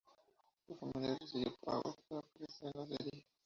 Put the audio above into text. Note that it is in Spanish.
La familia recibió pagos por aparecer en la serie.